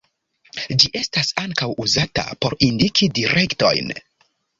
Ĝi estas ankaŭ uzata por indiki direktojn.